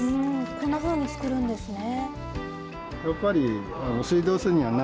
こんなふうに作るんですね。